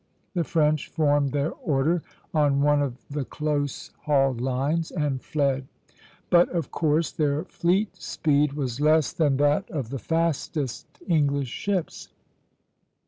The French formed their order on one of the close hauled lines, and fled; but of course their fleet speed was less than that of the fastest English ships.